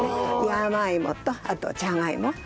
山芋とあとジャガイモ。